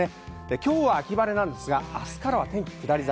今日は秋晴れなんですが明日からは天気は下り坂。